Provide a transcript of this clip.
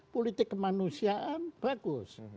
politik kemanusiaan bagus